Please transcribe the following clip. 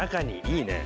いいね。